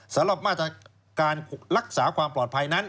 สำหรับมาตรการรักษาความปลอดภัยนั้น